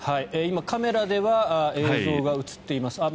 今、カメラでは映像が映っています。